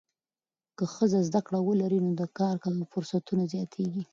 که ښځه زده کړه ولري، نو د کاروبار فرصتونه زیاتېږي.